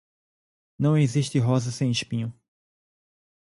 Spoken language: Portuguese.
Não existe rosa sem espinho.